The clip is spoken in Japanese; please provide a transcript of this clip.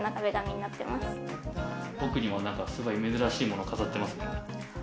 奥にも、すごい珍しいものを飾ってますね。